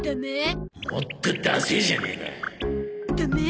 もっとダセえじゃねえか！ダメ？